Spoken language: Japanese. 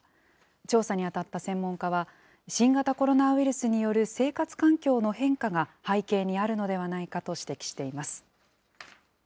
調査に当たった専門家は、新型コロナウイルスによる生活環境の変化が背景にあるのではないかと指摘しています。